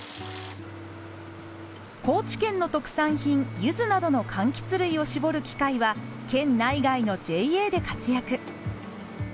高知県の特産品ゆずなどの柑橘類を搾る機械は県内外のＪＡで活躍。